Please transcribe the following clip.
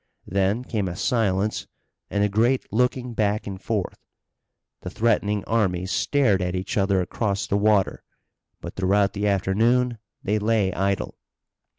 Then came a silence and a great looking back and forth. The threatening armies stared at each other across the water, but throughout the afternoon they lay idle.